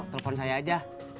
telepon saya aja